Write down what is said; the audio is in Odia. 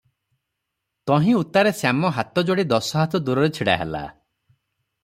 ତହିଁ ଉତ୍ତାରେ ଶ୍ୟାମ ହାତ ଯୋଡ଼ି ଦଶହାତ ଦୂରରେ ଛିଡ଼ାହେଲା ।